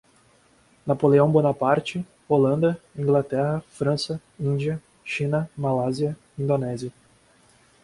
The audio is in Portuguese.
Napoleão Bonaparte, Holanda, Inglaterra, França, Índia, China, Malásia, Indonésia